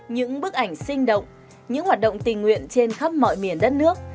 những bức ảnh sinh động những hoạt động tình nguyện trên khắp mọi miền đất nước